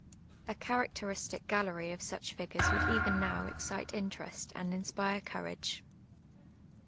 A characteristic gallery of such figures would even now excite interest and inspire courage.